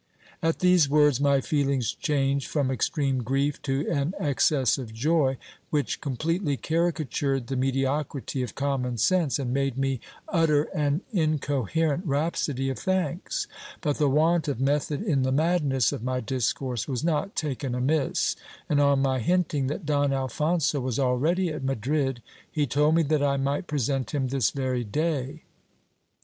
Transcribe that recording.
At these words, my feelings changed from extreme grief to an excess of joy, which completely caricatured the mediocrity of common sense, and made me utter an incoherent rhapsody of thanks : but the want of method in the madness of my discourse was not taken amiss ; and on my hinting that Don Alphonso was already at Madrid, he told me that I might present him this very day.